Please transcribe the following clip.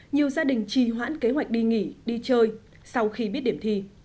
nhiều gia đình trì hoãn kế hoạch đi nghỉ đi chơi sau khi biết điểm thi